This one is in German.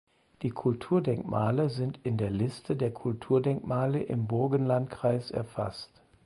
Die Kulturdenkmale sind in der Liste der Kulturdenkmale im Burgenlandkreis erfasst.